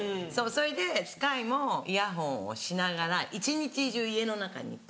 それで澄海もイヤホンをしながら一日中家の中にいて。